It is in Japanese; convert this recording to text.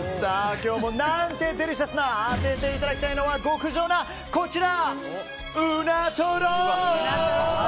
今日もなんてデリシャスな当てていただきたいのは極上のこちら！